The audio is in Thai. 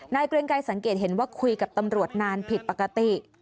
เกรงไกรสังเกตเห็นว่าคุยกับตำรวจนานผิดปกติ